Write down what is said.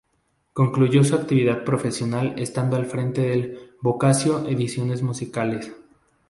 Concluyó su actividad profesional estando al frente de Bocaccio Ediciones Musicales.